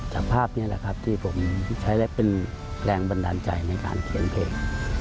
จากภาพนี้แหละครับที่ผมใช้ได้เป็นแรงบันดาลใจในการเขียนเพลง